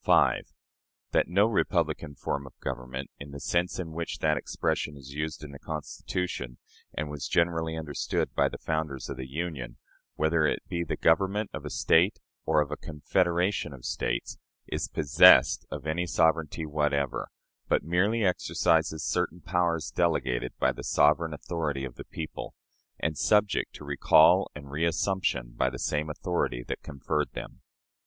5. That no "republican form of government," in the sense in which that expression is used in the Constitution, and was generally understood by the founders of the Union whether it be the government of a State or of a confederation of States is possessed of any sovereignty whatever, but merely exercises certain powers delegated by the sovereign authority of the people, and subject to recall and reassumption by the same authority that conferred them.